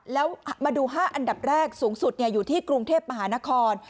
แล้วมาดู๕อันดับแรกสูงสุดอยู่ที่กรุงเทพมหานคร